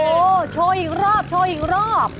โอ้โหโชว์อีกรอบโชว์อีกรอบ